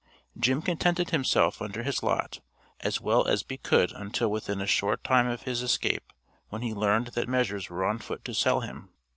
Jim contented himself under his lot as well as be could until within a short time of his escape when he learned that measures were on foot to sell him.